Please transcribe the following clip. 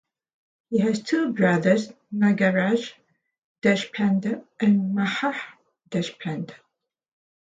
He has two brothers Nagaraj Deshpande and Malhar Deshpande.